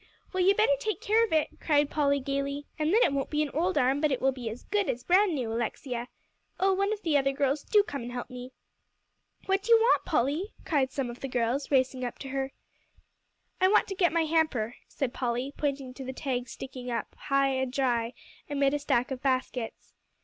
"Well, you better take care of it," cried Polly gaily, "and then it won't be an old arm, but it will be as good as brand new, Alexia. Oh, one of the other girls, do come and help me." "What do you want, Polly?" cried some of the girls, racing up to her. "I want to get out my hamper," said Polly, pointing to the tag sticking up "high and dry" amid a stack of baskets.